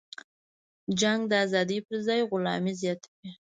جنگ د ازادۍ پرځای غلامي زیاتوي.